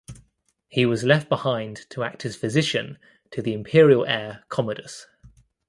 He was left behind to act as physician to the imperial heir Commodus.